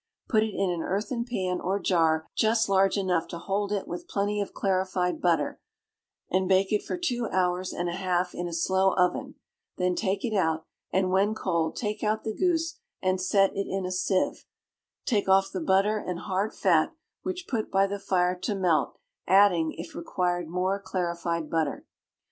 Put it in an earthen pan or jar just large enough to hold it, with plenty of clarified butter, and bake it for two hours and a half in a slow oven; then take it out, and when cold take out the goose and set it in a sieve; take off the butter and hard fat, which put by the fire to melt, adding, if required, more clarified butter.